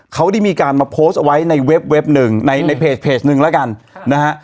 เขาได้มีการมาโพสต์ไว้ในเว็บหนึ่งในในเพจหนึ่งแล้วกันนะฮะ